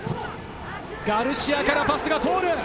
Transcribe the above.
ガルシアからパスが通る。